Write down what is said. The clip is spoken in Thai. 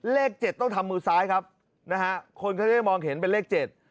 เลขเจ็ดต้องทำมือซ้ายครับนะฮะคนก็จะได้มองเห็นเป็นเลขเจ็ด